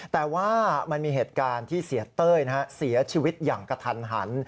แต่ว่ามันมีเหตุการณ์ที่เสียเต้ยเสียชีวิตอย่างกระทันหัน